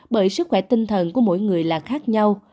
bởi sức khỏe tinh thần của mỗi người là khác nhau